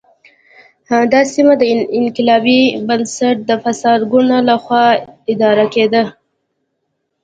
دا سیمه د انقلابي بنسټ د فاسد ګوند له خوا اداره کېده.